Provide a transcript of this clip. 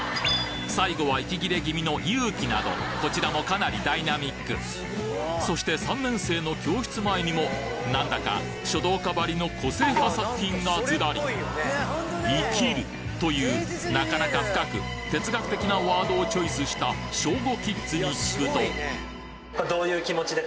最後は息切れ気味の勇気などこちらもかなりダイナミックそして３年生の教室前にも何だか書道家ばりの個性派作品がずらり「生きる」というなかなか深く哲学的なワードをチョイスしたえっと。